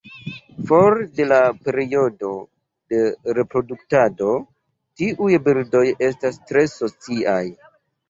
For de la periodo de reproduktado, tiuj birdoj estas tre sociaj.